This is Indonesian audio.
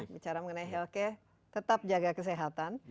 bicara mengenai healther tetap jaga kesehatan